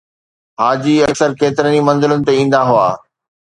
حاجي اڪثر ڪيترن ئي منزلن تي ايندا هئا